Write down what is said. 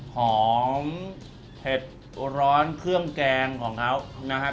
หอมเผ็ดร้อนเครื่องแกงของเขานะครับ